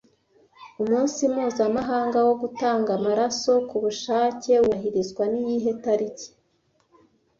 Umunsi mpuzamahanga wo gutanga amaraso ku bushake wubahirizwa niyihe tariki